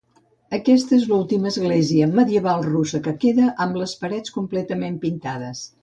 Aquesta és l'ultima església medieval russa que queda amb les parets completament pintades.